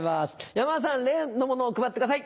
山田さん例のものを配ってください。